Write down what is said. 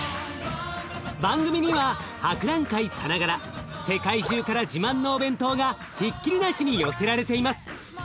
番組には博覧会さながら世界中から自慢のお弁当がひっきりなしに寄せられています。